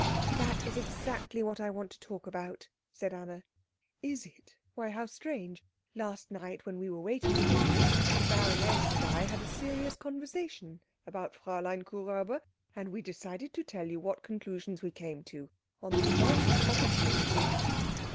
"That is exactly what I want to talk about," said Anna. "Is it? Why, how strange. Last night, while we were waiting for you, the baroness and I had a serious conversation about Fräulein Kuhräuber, and we decided to tell you what conclusions we came to on the first opportunity."